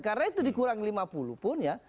karena itu dikurang lima puluh pun ya